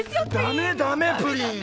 ダメダメプリンが！